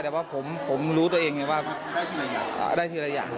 แต่ว่าผมผมรู้ตัวเองเลยว่าได้ที่หลายอย่าง